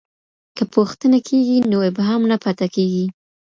که پوښتنه کېږي نو ابهام نه پاته کېږي.